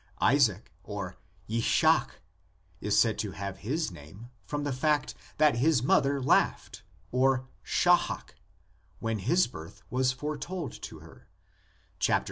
Isaac {Jishak) is said to have his name from the fact that his mother laughed [sahak) when his birth was foretold to her (xviii.